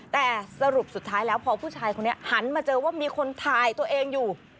แต่สรุปสุดท้ายแล้วพอผู้ชายคนนี้หันมาเจอว่ามีคนถ่ายตัวเองอยู่